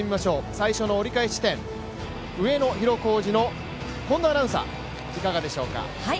最初の折り返し地点・上野広小路の近藤アナウンサー、いかがでしょうか？